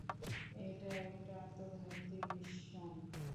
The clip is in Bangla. এটা একটা আত্মঘাতি মিশন!